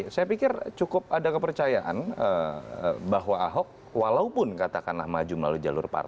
saya pikir cukup ada kepercayaan bahwa ahok walaupun katakanlah maju melalui jalur